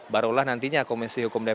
barulah nantinya komisi hukum dpr